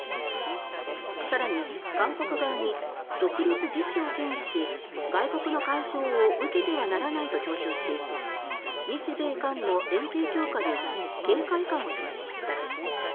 更に、韓国側に「独立自主を堅持し外国の干渉を受けてはならない」と強調し日米韓の連携強化に警戒感を示しました。